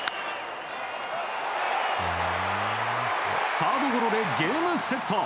サードゴロでゲームセット。